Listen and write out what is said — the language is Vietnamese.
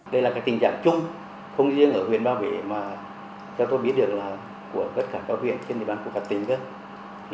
đây là tình trạng chung không riêng ở huyền ba vể mà cho tôi biết được là của tất cả các huyện trên địa bàn của phật tính